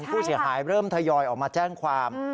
ผู้เสียหายเริ่มทยอยออกมาแจ้งความ